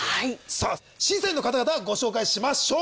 さぁ審査員の方々ご紹介しましょう。